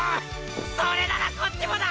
それならこっちもだ！